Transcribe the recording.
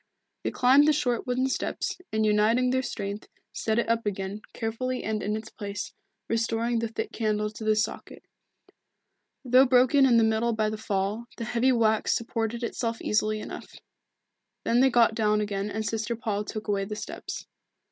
They climbed the short wooden steps, and uniting their strength, set it up again, carefully and in its place, restoring the thick candle to the socket. Though broken in the middle by the fall, the heavy wax supported itself easily enough. Then they got down again and Sister Paul took away the steps.